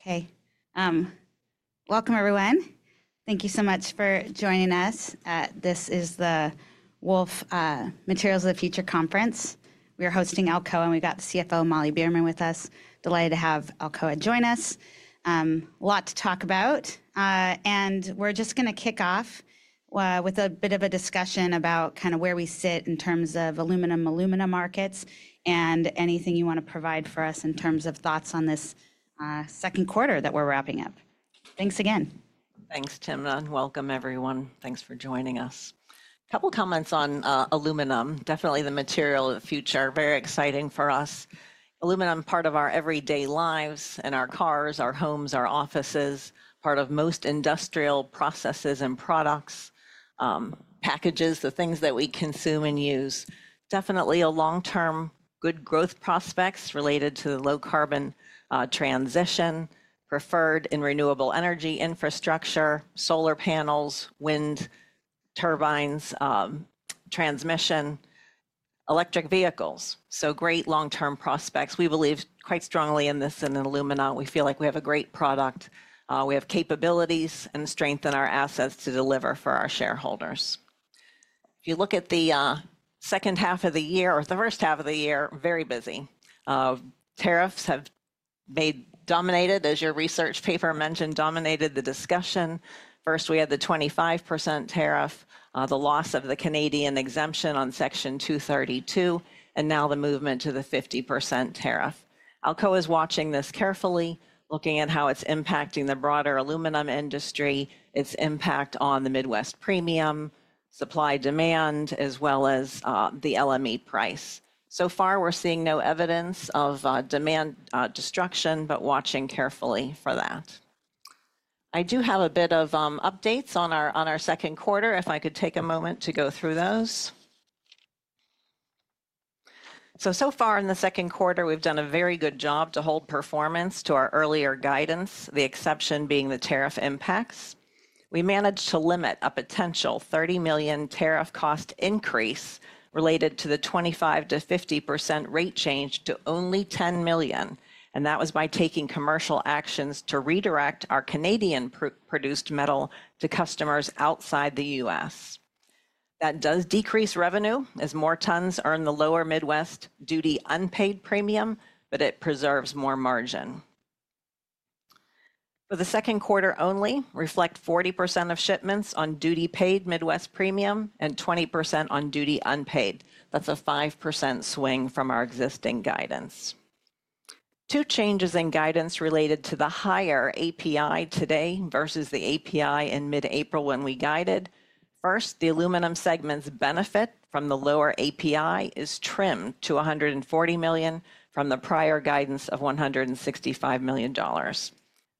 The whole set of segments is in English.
Hey. Welcome, everyone. Thank you so much for joining us. This is the Wolfe Materials of the Future Conference. We are hosting Alcoa. We've got the CFO, Molly Beerman, with us. Delighted to have Alcoa join us. A lot to talk about. We are just going to kick off with a bit of a discussion about kind of where we sit in terms of aluminum, aluminum markets, and anything you want to provide for us in terms of thoughts on this second quarter that we're wrapping up. Thanks again. Thanks, Timna. Welcome, everyone. Thanks for joining us. Couple of comments on aluminum. Definitely the material of the future. Very exciting for us. Aluminum, part of our everyday lives and our cars, our homes, our offices, part of most industrial processes and products, packages, the things that we consume and use. Definitely a long-term good growth prospects related to the low-carbon transition, preferred in renewable energy infrastructure, solar panels, wind turbines, transmission, electric vehicles. Great long-term prospects. We believe quite strongly in this and in alumina. We feel like we have a great product. We have capabilities and strength in our assets to deliver for our shareholders. If you look at the second half of the year or the first half of the year, very busy. Tariffs have dominated, as your research paper mentioned, dominated the discussion. First, we had the 25% tariff, the loss of the Canadian exemption on Section 232, and now the movement to the 50% tariff. Alcoa is watching this carefully, looking at how it's impacting the broader aluminum industry, its impact on the Midwest premium, supply demand, as well as the LME price. So far, we're seeing no evidence of demand destruction, but watching carefully for that. I do have a bit of updates on our second quarter, if I could take a moment to go through those. So far in the second quarter, we've done a very good job to hold performance to our earlier guidance, the exception being the tariff impacts. We managed to limit a potential $30 million tariff cost increase related to the 25%-50% rate change to only $10 million. That was by taking commercial actions to redirect our Canadian-produced metal to customers outside the U.S. That does decrease revenue as more tons earn the lower Midwest duty unpaid premium, but it preserves more margin. For the second quarter only, reflect 40% of shipments on duty paid Midwest premium and 20% on duty unpaid. That's a 5% swing from our existing guidance. Two changes in guidance related to the higher API today versus the API in mid-April when we guided. First, the aluminum segment's benefit from the lower API is trimmed to $140 million from the prior guidance of $165 million.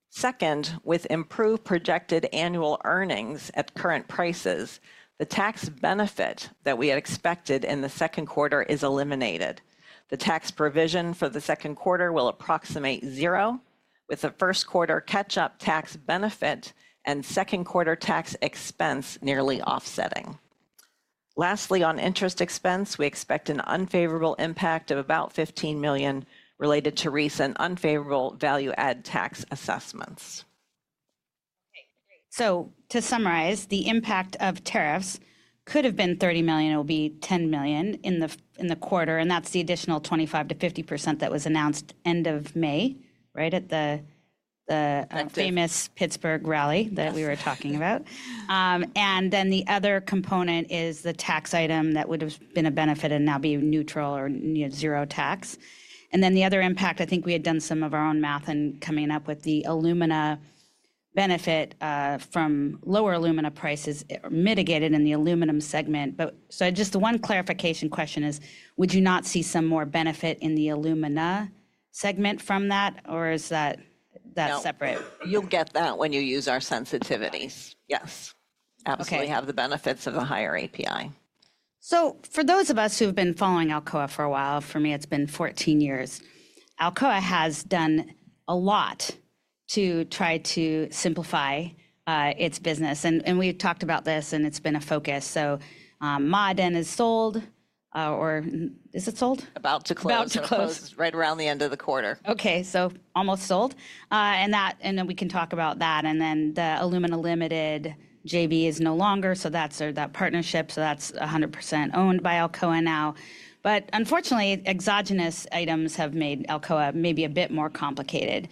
Second, with improved projected annual earnings at current prices, the tax benefit that we had expected in the second quarter is eliminated. The tax provision for the second quarter will approximate zero, with the first quarter catch-up tax benefit and second quarter tax expense nearly offsetting. Lastly, on interest expense, we expect an unfavorable impact of about $15 million related to recent unfavorable value-add tax assessments. To summarize, the impact of tariffs could have been $30 million. It will be $10 million in the quarter. That is the additional 25%-50% that was announced end of May, right, at the famous Pittsburgh rally that we were talking about. The other component is the tax item that would have been a benefit and now be neutral or zero tax. The other impact, I think we had done some of our own math in coming up with the alumina benefit from lower alumina prices mitigated in the aluminum segment. Just one clarification question is, would you not see some more benefit in the alumina segment from that, or is that separate? You'll get that when you use our sensitivities. Yes, absolutely have the benefits of a higher API. For those of us who have been following Alcoa for a while, for me, it's been 14 years. Alcoa has done a lot to try to simplify its business. We've talked about this, and it's been a focus. So Ma'aden is sold, or is it sold? About to close. About to close. Right around the end of the quarter. Okay. Almost sold. We can talk about that. The Alumina Limited JV is no longer, so that partnership is 100% owned by Alcoa now. Unfortunately, exogenous items have made Alcoa maybe a bit more complicated.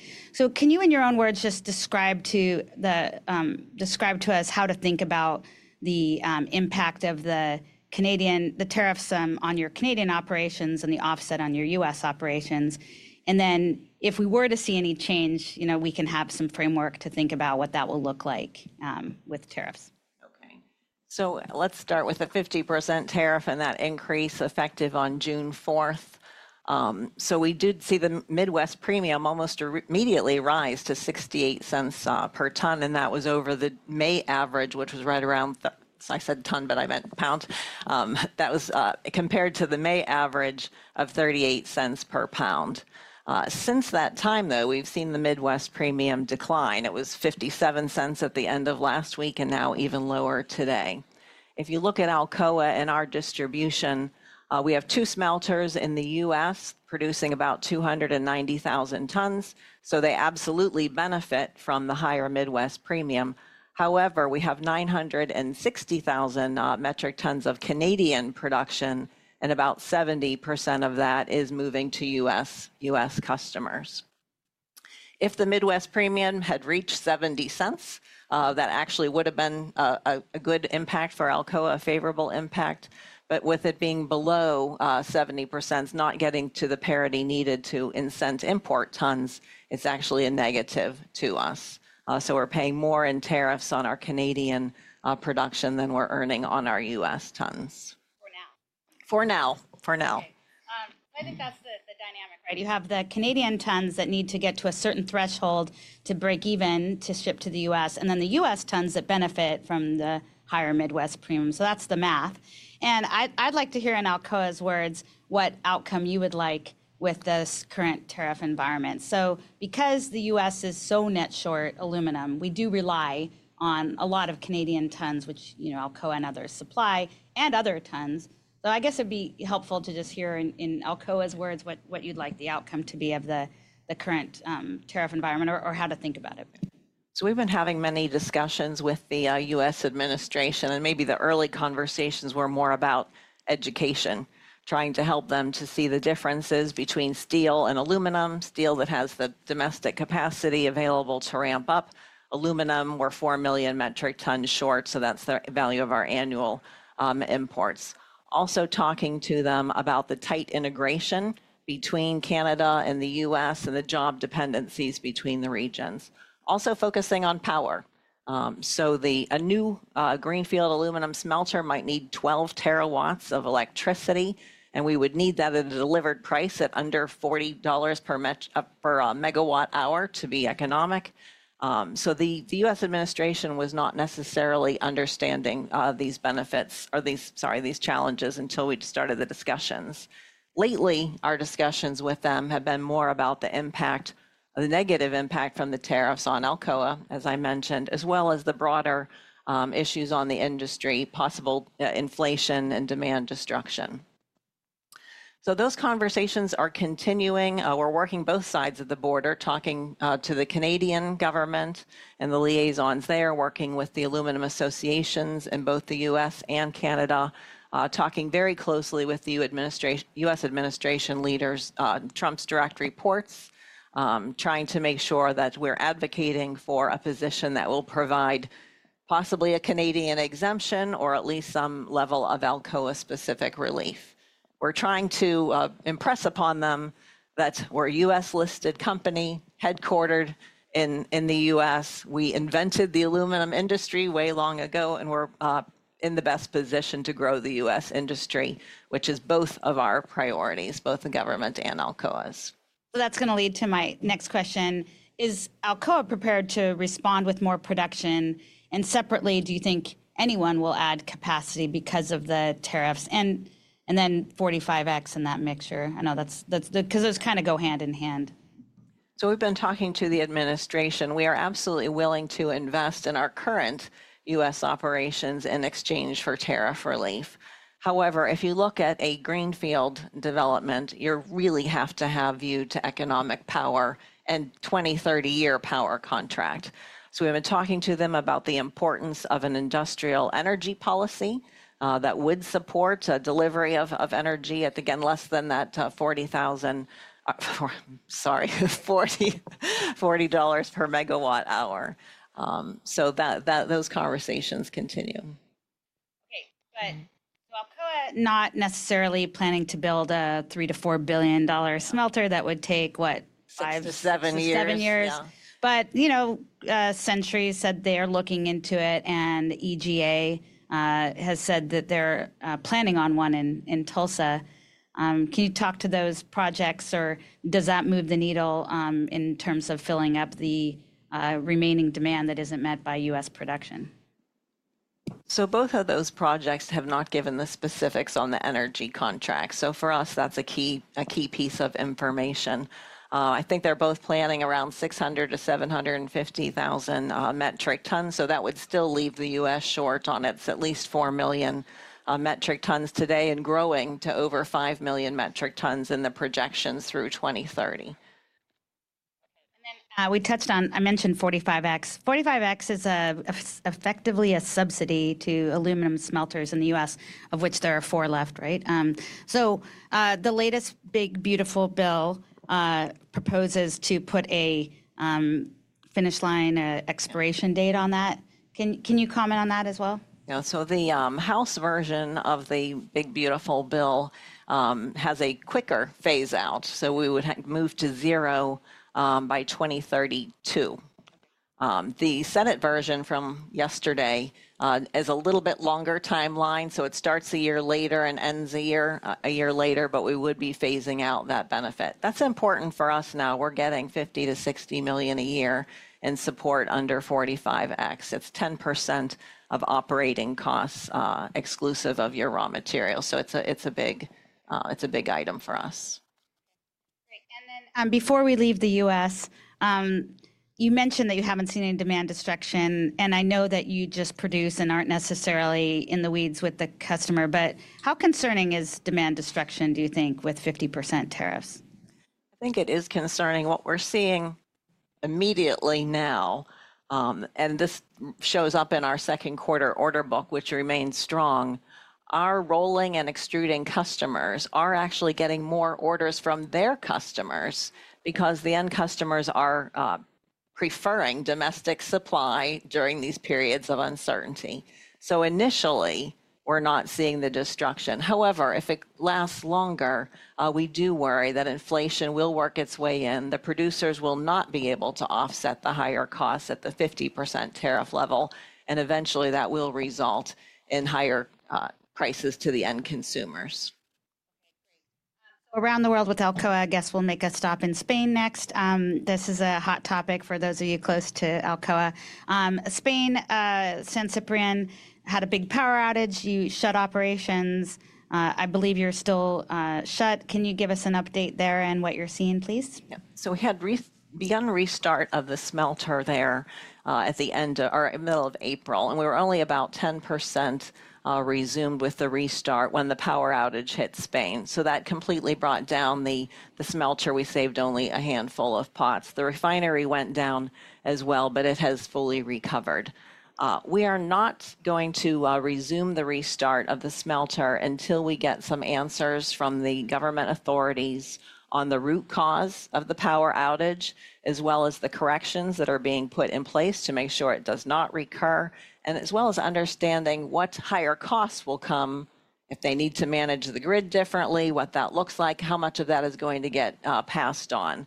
Can you, in your own words, just describe to us how to think about the impact of the tariffs on your Canadian operations and the offset on your U.S. operations? If we were to see any change, we can have some framework to think about what that will look like with tariffs. Okay. Let's start with a 50% tariff and that increase effective on June 4th. We did see the Midwest premium almost immediately rise to $0.68 per pound. That was over the May average, which was right around, I said ton, but I meant pound. That was compared to the May average of $0.38 per pound. Since that time, though, we've seen the Midwest premium decline. It was $0.57 at the end of last week and now even lower today. If you look at Alcoa and our distribution, we have two smelters in the U.S. producing about 290,000 tons. They absolutely benefit from the higher Midwest premium. However, we have 960,000 metric tons of Canadian production, and about 70% of that is moving to U.S. customers. If the Midwest premium had reached $0.70, that actually would have been a good impact for Alcoa, a favorable impact. With it being below 70%, not getting to the parity needed to incent import tons, it's actually a negative to us. We're paying more in tariffs on our Canadian production than we're earning on our U.S. tons. For now. For now. I think that's the dynamic, right? You have the Canadian tons that need to get to a certain threshold to break even to ship to the U.S., and then the U.S. tons that benefit from the higher Midwest premium. That's the math. I'd like to hear in Alcoa's words what outcome you would like with this current tariff environment. Because the U.S. is so net short aluminum, we do rely on a lot of Canadian tons, which Alcoa and others supply, and other tons. I guess it'd be helpful to just hear in Alcoa's words what you'd like the outcome to be of the current tariff environment or how to think about it. We've been having many discussions with the U.S. administration, and maybe the early conversations were more about education, trying to help them to see the differences between steel and aluminum. Steel that has the domestic capacity available to ramp up. Aluminum, we're 4 million metric tons short, so that's the value of our annual imports. Also talking to them about the tight integration between Canada and the U.S. and the job dependencies between the regions. Also focusing on power. A new Greenfield aluminum smelter might need 12 TW of electricity, and we would need that at a delivered price at under $40 per MWh to be economic. The U.S. administration was not necessarily understanding these benefits or these challenges until we started the discussions. Lately, our discussions with them have been more about the negative impact from the tariffs on Alcoa, as I mentioned, as well as the broader issues on the industry, possible inflation and demand destruction. Those conversations are continuing. We're working both sides of the border, talking to the Canadian government and the liaisons there, working with the Aluminum Associations in both the U.S. and Canada, talking very closely with the U.S. administration leaders, Trump's direct reports, trying to make sure that we're advocating for a position that will provide possibly a Canadian exemption or at least some level of Alcoa-specific relief. We're trying to impress upon them that we're a U.S. listed company headquartered in the U.S. We invented the aluminum industry way long ago, and we're in the best position to grow the U.S. industry, which is both of our priorities, both the government and Alcoa's. That's going to lead to my next question. Is Alcoa prepared to respond with more production? And separately, do you think anyone will add capacity because of the tariffs and then 45X in that mixture? I know that's because those kind of go hand in hand. We've been talking to the administration. We are absolutely willing to invest in our current U.S. operations in exchange for tariff relief. However, if you look at a Greenfield development, you really have to have view to economic power and 20-30 year power contract. We've been talking to them about the importance of an industrial energy policy that would support delivery of energy at, again, less than that $40,000, sorry, $40 per MWh. Those conversations continue. Okay. But Alcoa not necessarily planning to build a $3 billion-$4 billion smelter that would take what? Six to seven years. Seven years. Century said they are looking into it, and EGA has said that they're planning on one in Tulsa. Can you talk to those projects, or does that move the needle in terms of filling up the remaining demand that isn't met by U.S. production? Both of those projects have not given the specifics on the energy contract. For us, that's a key piece of information. I think they're both planning around 600,000-750,000 metric tons. That would still leave the U.S. short on its at least 4 million metric tons today and growing to over 5 million metric tons in the projections through 2030. Okay. And then we touched on, I mentioned 45X. 45X is effectively a subsidy to aluminum smelters in the U.S., of which there are four left, right? The latest big beautiful bill proposes to put a finish line, expiration date on that. Can you comment on that as well? Yeah. The House version of the big beautiful bill has a quicker phase-out. We would move to zero by 2032. The Senate version from yesterday is a little bit longer timeline. It starts a year later and ends a year later, but we would be phasing out that benefit. That's important for us now. We're getting $50 million-$60 million a year in support under 45X. It's 10% of operating costs exclusive of your raw material. It's a big item for us. Great. Before we leave the U.S., you mentioned that you haven't seen any demand destruction. I know that you just produce and aren't necessarily in the weeds with the customer. How concerning is demand destruction, do you think, with 50% tariffs? I think it is concerning. What we're seeing immediately now, and this shows up in our second quarter order book, which remains strong, our rolling and extruding customers are actually getting more orders from their customers because the end customers are preferring domestic supply during these periods of uncertainty. Initially, we're not seeing the destruction. However, if it lasts longer, we do worry that inflation will work its way in. The producers will not be able to offset the higher costs at the 50% tariff level. Eventually, that will result in higher prices to the end consumers. Okay. Great. So around the world with Alcoa, I guess we'll make a stop in Spain next. This is a hot topic for those of you close to Alcoa. Spain, San Ciprián, had a big power outage. You shut operations. I believe you're still shut. Can you give us an update there and what you're seeing, please? Yeah. We had begun restart of the smelter there at the end or middle of April. We were only about 10% resumed with the restart when the power outage hit Spain. That completely brought down the smelter. We saved only a handful of pots. The refinery went down as well, but it has fully recovered. We are not going to resume the restart of the smelter until we get some answers from the government authorities on the root cause of the power outage, as well as the corrections that are being put in place to make sure it does not recur, and as well as understanding what higher costs will come if they need to manage the grid differently, what that looks like, how much of that is going to get passed on.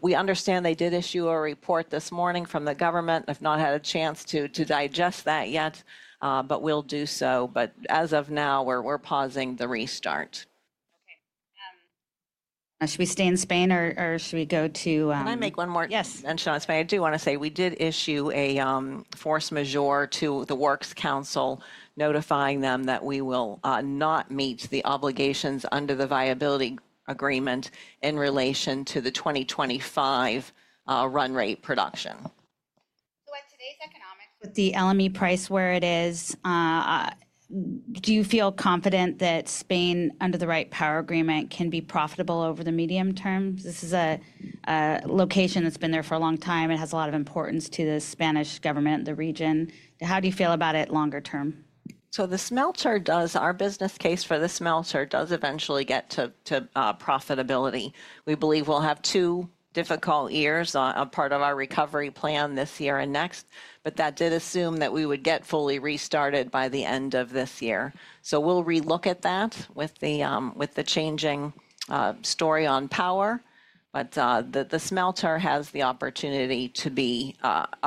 We understand they did issue a report this morning from the government. I've not had a chance to digest that yet, but we'll do so. As of now, we're pausing the restart. Okay. Should we stay in Spain, or should we go to? Can I make one more? Yes. In Spain. I do want to say we did issue a force majeure to the Works Council notifying them that we will not meet the obligations under the viability agreement in relation to the 2025 run rate production. At today's economics, with the LME price where it is, do you feel confident that Spain, under the right power agreement, can be profitable over the medium term? This is a location that's been there for a long time. It has a lot of importance to the Spanish government in the region. How do you feel about it longer term? The smelter does, our business case for the smelter does eventually get to profitability. We believe we'll have two difficult years as part of our recovery plan this year and next, but that did assume that we would get fully restarted by the end of this year. We'll relook at that with the changing story on power. The smelter has the opportunity to be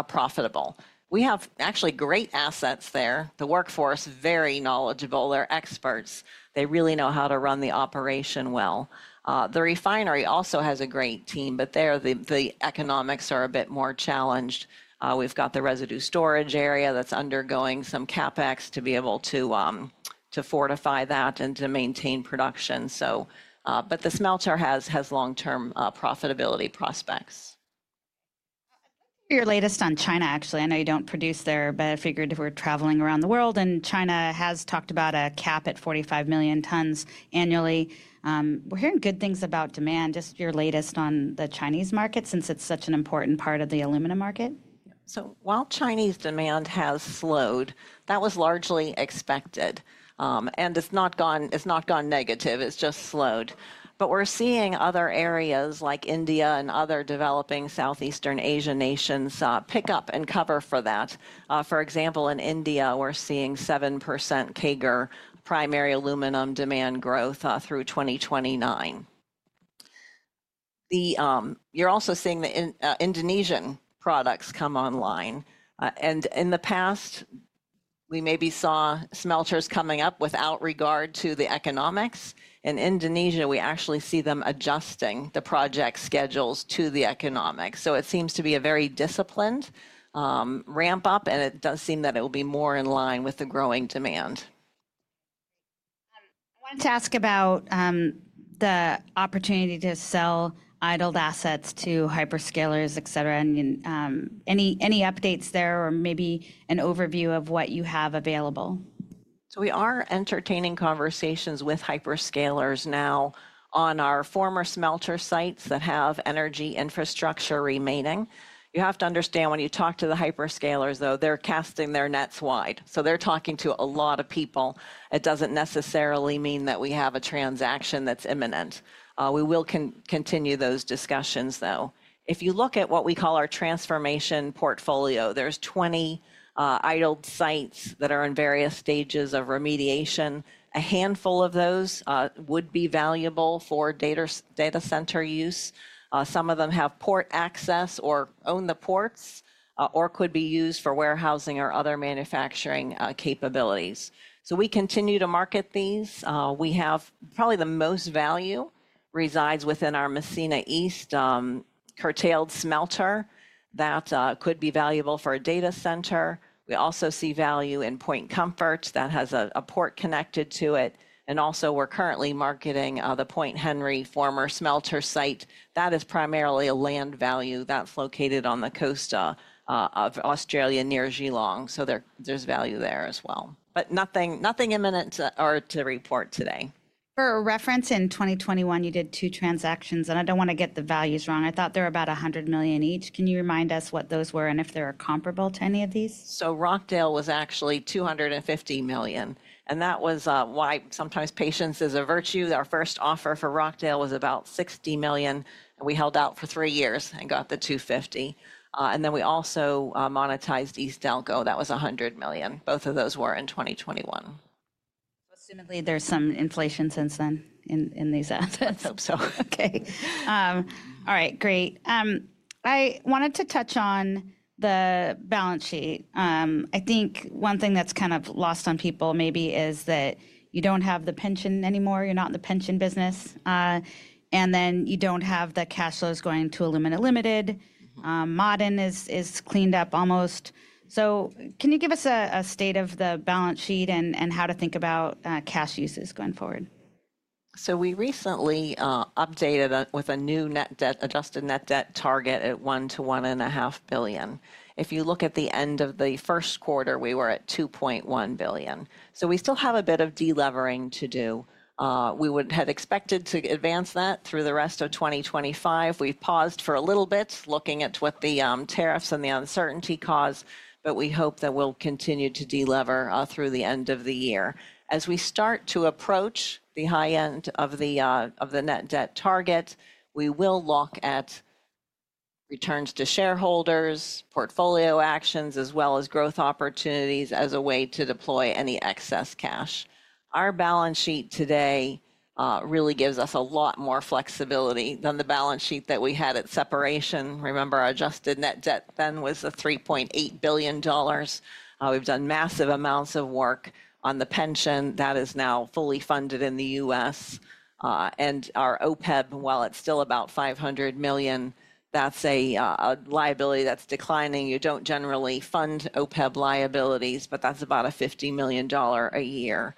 profitable. We have actually great assets there. The workforce is very knowledgeable. They're experts. They really know how to run the operation well. The refinery also has a great team, but the economics are a bit more challenged. We've got the residue storage area that's undergoing some CapEx to be able to fortify that and to maintain production. The smelter has long-term profitability prospects. I'd like to hear your latest on China, actually. I know you don't produce there, but I figured if we're traveling around the world, and China has talked about a cap at 45 million tons annually. We're hearing good things about demand. Just your latest on the Chinese market, since it's such an important part of the aluminum market? While Chinese demand has slowed, that was largely expected. It's not gone negative. It's just slowed. We're seeing other areas like India and other developing Southeastern Asian nations pick up and cover for that. For example, in India, we're seeing 7% CAGR primary aluminum demand growth through 2029. You're also seeing the Indonesian products come online. In the past, we maybe saw smelters coming up without regard to the economics. In Indonesia, we actually see them adjusting the project schedules to the economics. It seems to be a very disciplined ramp-up, and it does seem that it will be more in line with the growing demand. I want to ask about the opportunity to sell idled assets to hyperscalers, et cetera. Any updates there or maybe an overview of what you have available? We are entertaining conversations with hyperscalers now on our former smelter sites that have energy infrastructure remaining. You have to understand when you talk to the hyperscalers, though, they're casting their nets wide. They're talking to a lot of people. It doesn't necessarily mean that we have a transaction that's imminent. We will continue those discussions, though. If you look at what we call our transformation portfolio, there are 20 idled sites that are in various stages of remediation. A handful of those would be valuable for data center use. Some of them have port access or own the ports or could be used for warehousing or other manufacturing capabilities. We continue to market these. Probably the most value resides within our Messina East curtailed smelter that could be valuable for a data center. We also see value in Point Comfort that has a port connected to it. We are currently marketing the Point Henry former smelter site. That is primarily a land value. That is located on the coast of Australia near Geelong. There is value there as well. Nothing imminent or to report today. For reference, in 2021, you did two transactions, and I do not want to get the values wrong. I thought they were about $100 million each. Can you remind us what those were and if they are comparable to any of these? Rockdale was actually $250 million. That was why sometimes patience is a virtue. Our first offer for Rockdale was about $60 million. We held out for three years and got the $250 million. We also monetized East Alco. That was $100 million. Both of those were in 2021. Assuming there's some inflation since then in these assets. I hope so. Okay. All right. Great. I wanted to touch on the balance sheet. I think one thing that's kind of lost on people maybe is that you don't have the pension anymore. You're not in the pension business. And then you don't have the cash flows going to Alumina Limited. Ma'aden is cleaned up almost. Can you give us a state of the balance sheet and how to think about cash uses going forward? We recently updated with a new net debt, adjusted net debt target at $1 billion-$1.5 billion. If you look at the end of the first quarter, we were at $2.1 billion. We still have a bit of delevering to do. We had expected to advance that through the rest of 2025. We have paused for a little bit looking at what the tariffs and the uncertainty cause, but we hope that we will continue to delever through the end of the year. As we start to approach the high end of the net debt target, we will look at returns to shareholders, portfolio actions, as well as growth opportunities as a way to deploy any excess cash. Our balance sheet today really gives us a lot more flexibility than the balance sheet that we had at separation. Remember, our adjusted net debt then was $3.8 billion. We've done massive amounts of work on the pension. That is now fully funded in the U.S. And our OPEB, while it's still about $500 million, that's a liability that's declining. You don't generally fund OPEB liabilities, but that's about a $50 million a year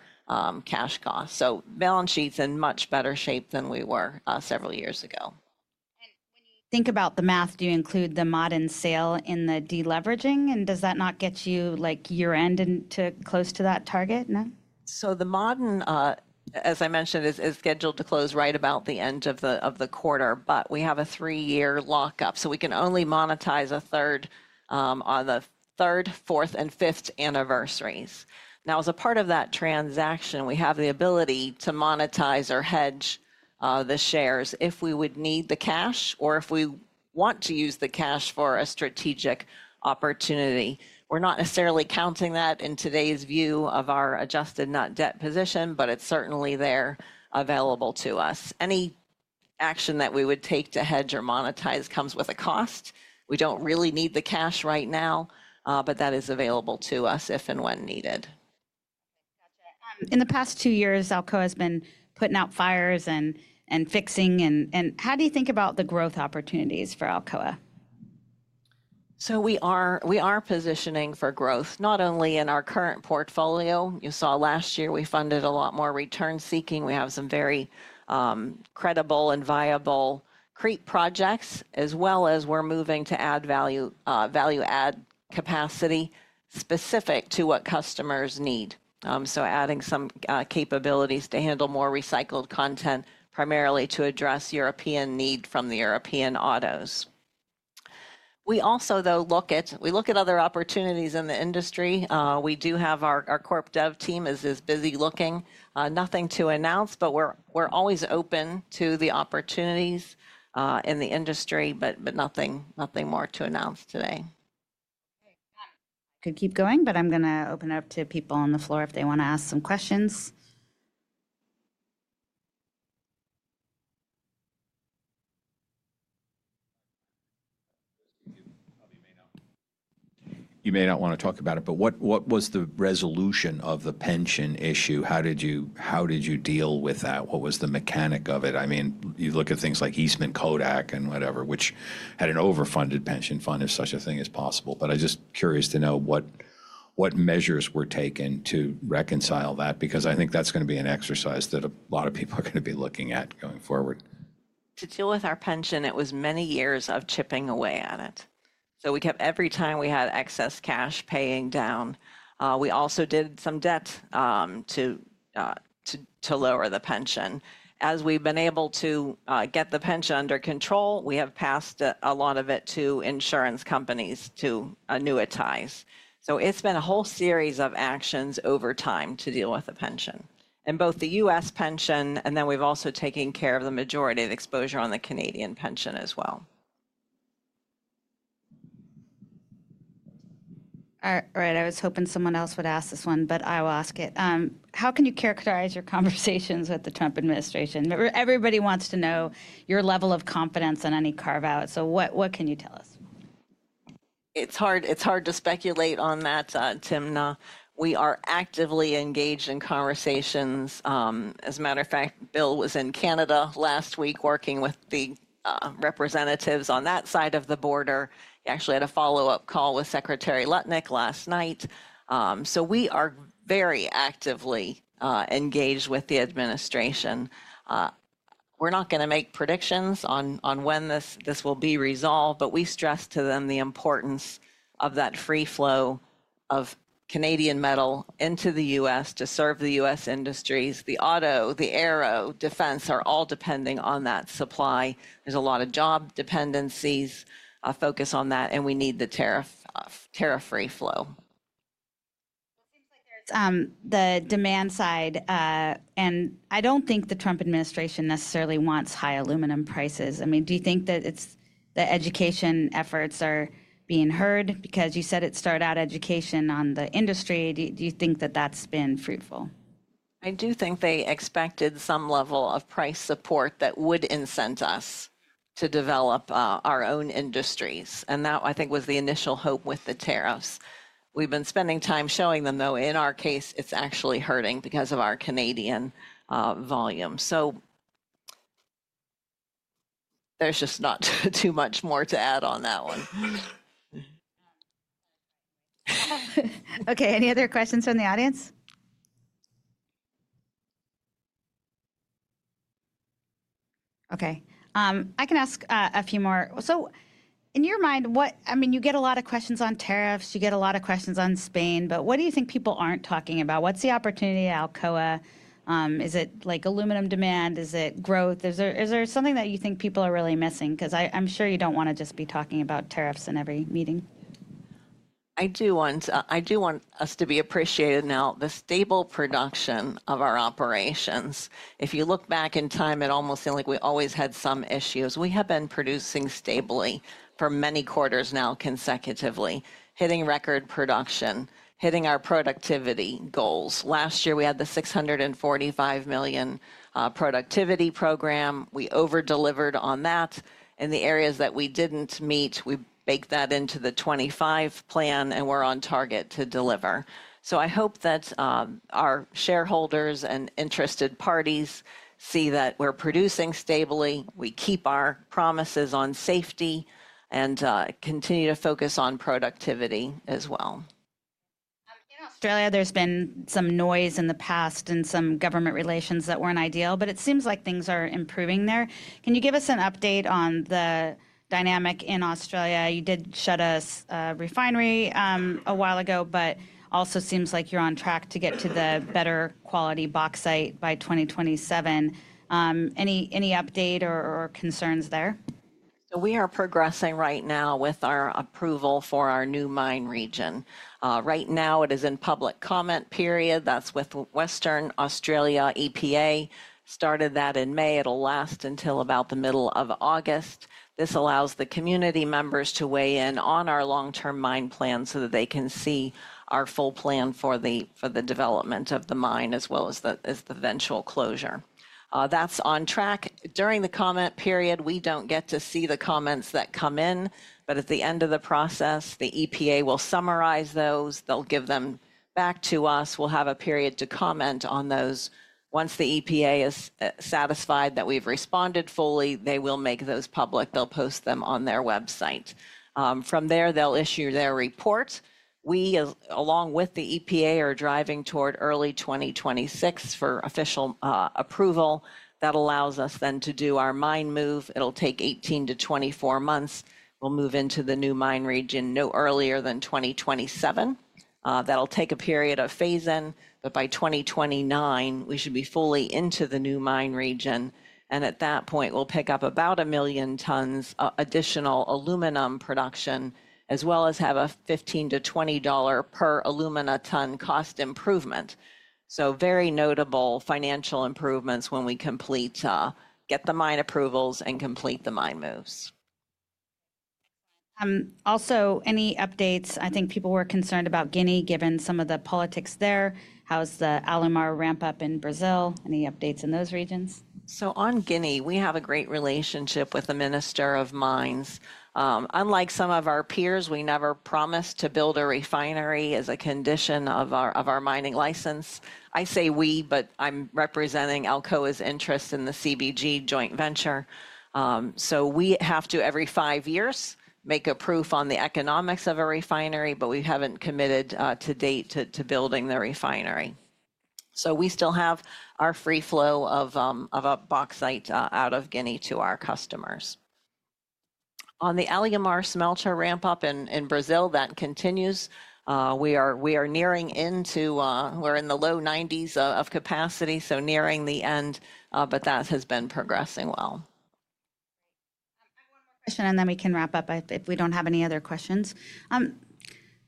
cash cost. So balance sheet's in much better shape than we were several years ago. When you think about the math, do you include the Ma'aden sale in the deleveraging? And does that not get you year-end into close to that target? No? The Ma'aden, as I mentioned, is scheduled to close right about the end of the quarter. We have a three-year lockup, so we can only monetize a third on the third, fourth, and fifth anniversaries. Now, as a part of that transaction, we have the ability to monetize or hedge the shares if we would need the cash or if we want to use the cash for a strategic opportunity. We're not necessarily counting that in today's view of our adjusted net debt position, but it's certainly there available to us. Any action that we would take to hedge or monetize comes with a cost. We do not really need the cash right now, but that is available to us if and when needed. Gotcha. In the past two years, Alcoa has been putting out fires and fixing. How do you think about the growth opportunities for Alcoa? We are positioning for growth, not only in our current portfolio. You saw last year we funded a lot more return-seeking. We have some very credible and viable Creet projects, as well as we are moving to add value-add capacity specific to what customers need. Adding some capabilities to handle more recycled content, primarily to address European need from the European autos. We also, though, look at other opportunities in the industry. We do have our CorpDev team is busy looking. Nothing to announce, but we are always open to the opportunities in the industry, but nothing more to announce today. Okay. I could keep going, but I'm going to open it up to people on the floor if they want to ask some questions. You may not want to talk about it, but what was the resolution of the pension issue? How did you deal with that? What was the mechanic of it? I mean, you look at things like Eastman Kodak and whatever, which had an overfunded pension fund if such a thing is possible. I am just curious to know what measures were taken to reconcile that, because I think that is going to be an exercise that a lot of people are going to be looking at going forward. To deal with our pension, it was many years of chipping away at it. We kept every time we had excess cash paying down. We also did some debt to lower the pension. As we've been able to get the pension under control, we have passed a lot of it to insurance companies to annuitize. It has been a whole series of actions over time to deal with the pension. Both the U.S. pension, and then we've also taken care of the majority of exposure on the Canadian pension as well. All right. I was hoping someone else would ask this one, but I will ask it. How can you characterize your conversations with the Trump administration? Everybody wants to know your level of confidence on any carve-out. So what can you tell us? It's hard to speculate on that, Timna. We are actively engaged in conversations. As a matter of fact, Bill was in Canada last week working with the representatives on that side of the border. He actually had a follow-up call with Secretary Lutnick last night. We are very actively engaged with the administration. We're not going to make predictions on when this will be resolved, but we stress to them the importance of that free flow of Canadian metal into the U.S. to serve the U.S. industries. The auto, the aero, defense are all depending on that supply. There's a lot of job dependencies. Focus on that, and we need the tariff-free flow. It seems like there's the demand side. I don't think the Trump administration necessarily wants high aluminum prices. I mean, do you think that the education efforts are being heard? Because you said it started out education on the industry. Do you think that that's been fruitful? I do think they expected some level of price support that would incent us to develop our own industries. That, I think, was the initial hope with the tariffs. We've been spending time showing them, though, in our case, it's actually hurting because of our Canadian volume. There is just not too much more to add on that one. Okay. Any other questions from the audience? Okay. I can ask a few more. In your mind, I mean, you get a lot of questions on tariffs. You get a lot of questions on Spain. What do you think people aren't talking about? What's the opportunity at Alcoa? Is it aluminum demand? Is it growth? Is there something that you think people are really missing? I'm sure you don't want to just be talking about tariffs in every meeting. I do want us to be appreciated. Now, the stable production of our operations, if you look back in time, it almost seemed like we always had some issues. We have been producing stably for many quarters now consecutively, hitting record production, hitting our productivity goals. Last year, we had the $645 million productivity program. We overdelivered on that. In the areas that we did not meet, we baked that into the 2025 plan, and we are on target to deliver. I hope that our shareholders and interested parties see that we are producing stably. We keep our promises on safety and continue to focus on productivity as well. In Australia, there's been some noise in the past and some government relations that were not ideal, but it seems like things are improving there. Can you give us an update on the dynamic in Australia? You did shut a refinery a while ago, but also seems like you're on track to get to the better quality bauxite by 2027. Any update or concerns there? We are progressing right now with our approval for our new mine region. Right now, it is in public comment period. That is with Western Australia EPA. Started that in May. It will last until about the middle of August. This allows the community members to weigh in on our long-term mine plan so that they can see our full plan for the development of the mine as well as the eventual closure. That is on track. During the comment period, we do not get to see the comments that come in. At the end of the process, the EPA will summarize those. They will give them back to us. We will have a period to comment on those. Once the EPA is satisfied that we have responded fully, they will make those public. They will post them on their website. From there, they will issue their report. We, along with the EPA, are driving toward early 2026 for official approval. That allows us then to do our mine move. It'll take 18-24 months. We'll move into the new mine region no earlier than 2027. That'll take a period of phase-in. By 2029, we should be fully into the new mine region. At that point, we'll pick up about 1 million tons of additional aluminum production, as well as have a $15-$20 per alumina ton cost improvement. Very notable financial improvements when we get the mine approvals and complete the mine moves. Also, any updates? I think people were concerned about Guinea, given some of the politics there. How's the Alumar ramp up in Brazil? Any updates in those regions? On Guinea, we have a great relationship with the Minister of Mines. Unlike some of our peers, we never promised to build a refinery as a condition of our mining license. I say we, but I'm representing Alcoa's interest in the CBG joint venture. We have to, every five years, make a proof on the economics of a refinery, but we haven't committed to date to building the refinery. We still have our free flow of bauxite out of Guinea to our customers. On the Alumar smelter ramp up in Brazil, that continues. We are nearing into, we're in the low 90s of capacity, so nearing the end, but that has been progressing well. I have one more question, and then we can wrap up if we do not have any other questions.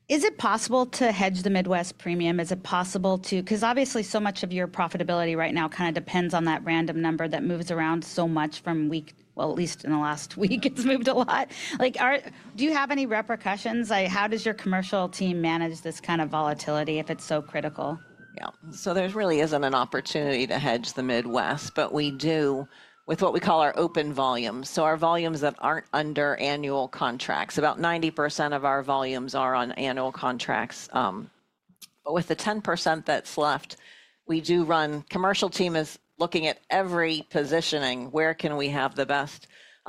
Is it possible to hedge the Midwest premium? Is it possible to? Because obviously, so much of your profitability right now kind of depends on that random number that moves around so much from week, well, at least in the last week, it has moved a lot. Do you have any repercussions? How does your commercial team manage this kind of volatility if it is so critical? Yeah. There really is not an opportunity to hedge the Midwest, but we do with what we call our open volumes. Our volumes that are not under annual contracts, about 90% of our volumes are on annual contracts. With the 10% that is left, we do run. The commercial team is looking at every positioning, where can we have the best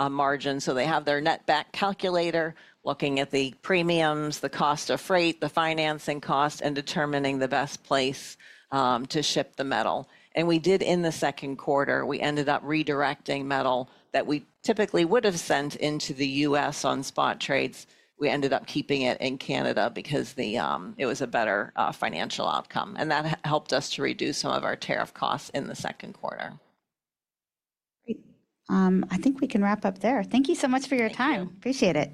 margin. They have their net back calculator looking at the premiums, the cost of freight, the financing cost, and determining the best place to ship the metal. We did, in the second quarter, end up redirecting metal that we typically would have sent into the U.S. on spot trades. We ended up keeping it in Canada because it was a better financial outcome. That helped us to reduce some of our tariff costs in the second quarter. Great. I think we can wrap up there. Thank you so much for your time. Appreciate it.